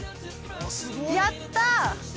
やった！